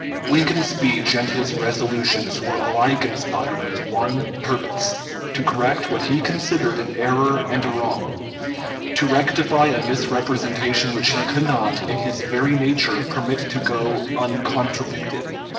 Lincoln's speech and his resolutions were alike inspired with one purpose: to correct what he considered an error and a wrong; to rectify a misrepresentation which he could not, in his very nature, permit to go uncontradicted.